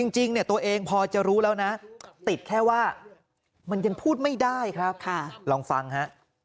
จริงเนี่ยตัวเองพอจะรู้แล้วนะติดแค่ว่ามันยังพูดไม่ได้ครับลองฟังฮะ